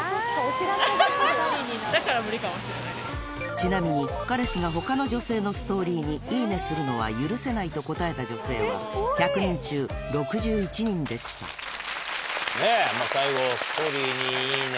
ちなみに彼氏が他の女性のストーリーに「いいね！」するのは許せないと答えた女性は１００人中６１人でしたねぇ最後。